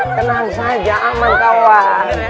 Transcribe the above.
tenang saja aman kawan